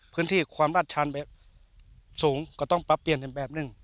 พื้นที่ความราชชันสูงก็ต้องปรับเปลี่ยนกันแบบหนึ่ง